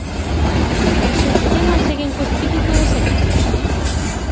Os seus temas seguen co espírito de sempre?